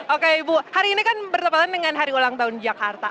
oke ibu hari ini kan bertepatan dengan hari ulang tahun jakarta